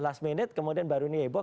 last minute kemudian baru ini heboh